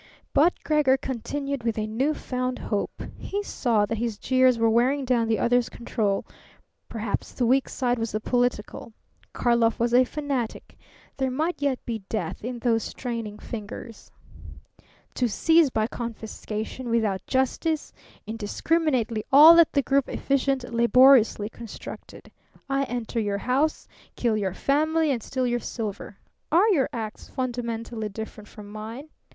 But Gregor continued with a new found hope. He saw that his jeers were wearing down the other's control. Perhaps the weak side was the political. Karlov was a fanatic. There might yet be death in those straining fingers. "To seize by confiscation, without justice, indiscriminately all that the group efficient laboriously constructed. I enter your house, kill your family and steal your silver. Are your acts fundamentally different from mine?